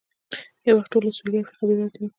یو وخت ټوله سوېلي افریقا بېوزله وه.